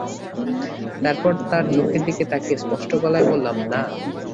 তারপর তার চোখের দিকে তাকিয়ে স্পষ্ট গলায় বললাম, না।